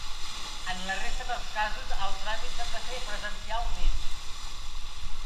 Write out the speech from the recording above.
En la resta de casos el tràmit s'ha de fer presencialment.